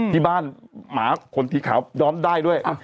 ที่บ้านหมาคนสีขาวย้อมได้ด้วย